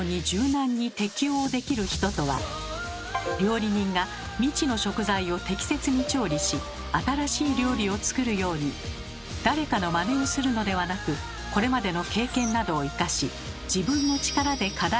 料理人が未知の食材を適切に調理し新しい料理を作るように誰かのまねをするのではなくということです。